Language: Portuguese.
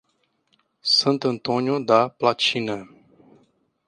Santo Antônio da Platina